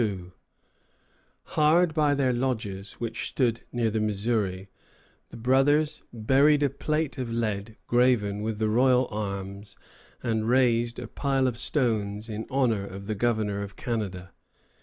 ] Hard by their lodges, which stood near the Missouri, the brothers buried a plate of lead graven with the royal arms, and raised a pile of stones in honor of the Governor of Canada.